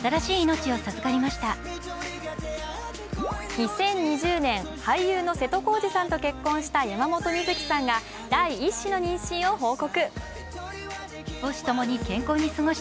２０２０年、俳優の瀬戸康史さんと結婚した山本美月さんが第１子の妊娠を報告。